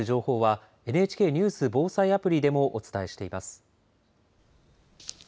台風や大雨に関する情報はＮＨＫニュース・防災アプリでもお伝えしています。